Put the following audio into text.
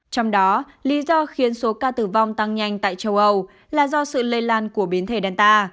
trong đó lý do khiến số ca tử vong tăng nhanh tại châu âu là do sự lây lan của biến thể danta